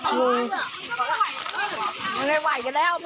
เป็นอะไร